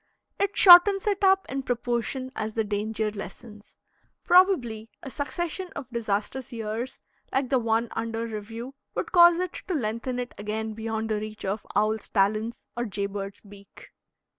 It shortens it up in proportion as the danger lessens. Probably a succession of disastrous years, like the one under review, would cause it to lengthen it again beyond the reach of owl's talons or jay bird's beak.